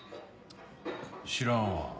知らんわ。